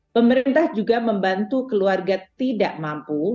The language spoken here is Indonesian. pemerintah juga membantu keluarga tidak mampu